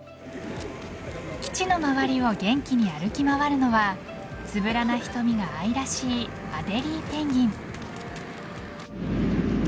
基地の周りを元気に歩き回るのはつぶらな瞳が愛らしいアデリーペンギン。